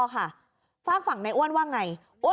ฝากฝั่งในอ้วนว่าอย่างไร